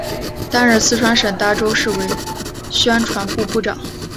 担任四川省达州市委宣传部部长。